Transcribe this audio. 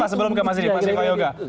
mas didi mas didi koyoga